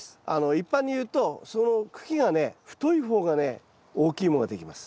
一般に言うとその茎がね太い方がね大きい芋ができます。